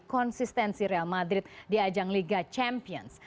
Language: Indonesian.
konsistensi real madrid di ajang liga champions